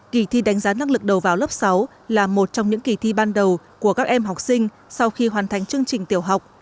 kỳ thi đánh giá năng lực đầu vào lớp sáu là một trong những kỳ thi ban đầu của các em học sinh sau khi hoàn thành chương trình tiểu học